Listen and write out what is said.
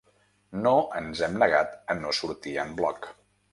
No ens hem negat a no sortir en bloc.